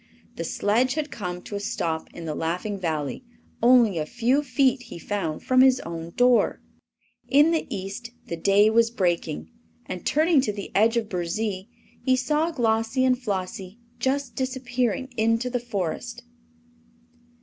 The sledge had come to a stop in the Laughing Valley, only a few feet, he found, from his own door. In the East the day was breaking, and turning to the edge of Burzee he saw Glossie and Flossie just disappearing in the Forest.